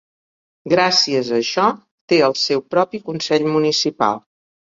Gràcies a això, té el seu propi Consell Municipal.